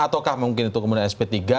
ataukah mungkin itu kemudian sp tiga